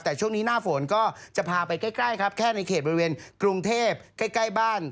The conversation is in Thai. แต่ช่วงนี้หน้าฝนก็จะพาไปใกล้ครับแค่ในเขตบริเวณกรุงเทพใกล้บ้าน